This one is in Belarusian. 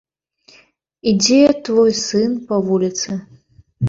Ідзе твой сын па вуліцы.